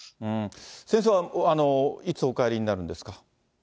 先生はいつお帰りになるんですか。